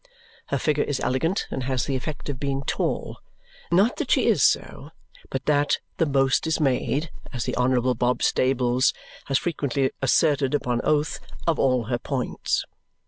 Her figure is elegant and has the effect of being tall. Not that she is so, but that "the most is made," as the Honourable Bob Stables has frequently asserted upon oath, "of all her points."